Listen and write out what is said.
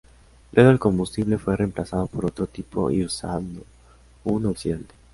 Luego el combustible fue reemplazado por otro tipo y usando un oxidante.